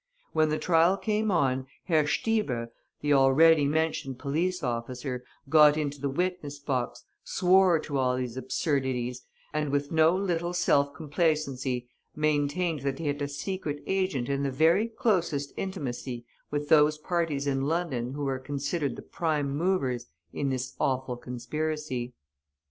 When the trial came on, Herr Stieber, the already mentioned police officer, got into the witness box, swore to all these absurdities, and, with no little self complacency, maintained that he had a secret agent in the very closest intimacy with those parties in London who were considered the prime movers in this awful conspiracy.